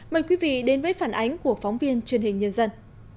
mời quý vị đến với phản ánh của phóng viên truyền hình nhân dân